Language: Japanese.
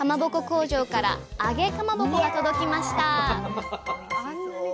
工場から「揚げかまぼこ」が届きました